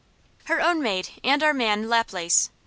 "Her own maid, and our man Laplace.